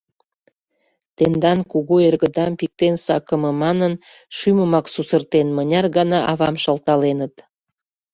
«Тендан кугу эргыдам пиктен сакыме» манын, шӱмымак сусыртен, мыняр гана авам шылталеныт.